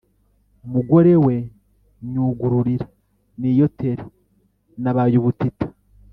"mugore we nyugururira niyotere nabaye ubutita."